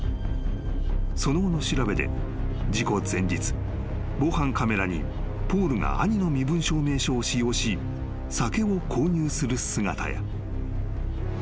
［その後の調べで事故前日防犯カメラにポールが兄の身分証明書を使用し酒を購入する姿や］